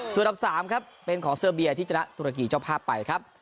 ส่วนดับ๓ครับเป็นของเซอร์เบียที่จะนัดตัวละกี่เจ้าภาพไปครับ